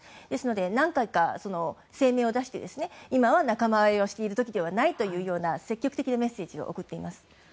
ですので、何回か声明を出して今は仲間割れをしている時ではないというような積極的なメッセージを送っています。